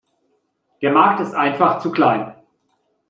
Der Markt ist einfach zu klein.